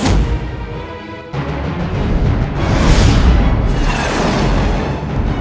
seorang para gaib